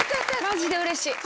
マジでうれしい。